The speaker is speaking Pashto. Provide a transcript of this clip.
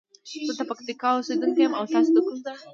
زه د پکتیکا اوسیدونکی یم او تاسو د کوم ځاي؟